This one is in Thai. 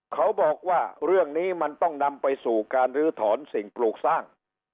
เขาบอกว่าเรื่องนี้มันต้องนำไปสู่การลื้อถอนสิ่งปลูกสร้าง